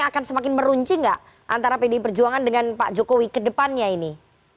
akan semakin meruncing nggak antara pdi perjuangan dengan pak jokowi ke depannya ini